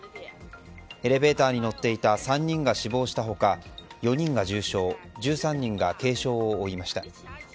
エレベーターに乗っていた３人が死亡した他４人が重傷１３人が軽傷を負いました。